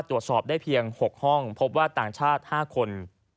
ตรวจสอบได้เพียง๖ห้องพบว่าต่างชาติ๕คน